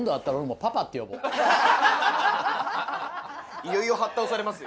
いよいよ張り倒されますよ。